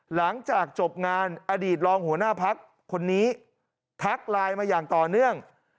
หลังจากจบงานอดีตรองหัวหน้าพักคนนี้ทักไลน์มาอย่างต่อเนื่อง